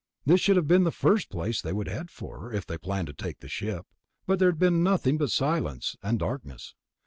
This should have been the first place they would head for, if they planned to take the ship, but there had been nothing but silence and darkness.